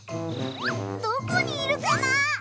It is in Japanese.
どこにいるかな？